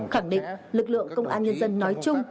khẳng định lực lượng công an nhân dân nói chung